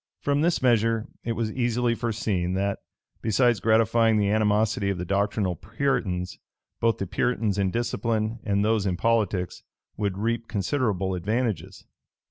From this measure, it was easily foreseen, that, besides gratifying the animosity of the doctrinal Puritans, both the Puritans in discipline and those in politics would reap considerable advantages.